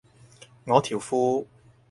我條褲